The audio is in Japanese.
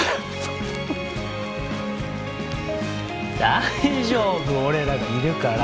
大丈夫俺らがいるから。